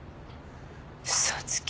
嘘つき。